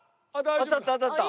当たった当たった。